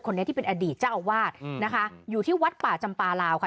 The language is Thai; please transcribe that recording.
ที่เป็นอดีตเจ้าอาวาสนะคะอยู่ที่วัดป่าจำปลาลาวค่ะ